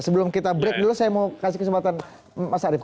sebelum kita break dulu saya mau kasih kesempatan mas arief